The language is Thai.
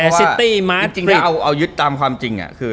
เอายึดตามความจริง